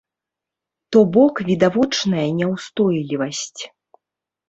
То бок відавочная няўстойлівасць.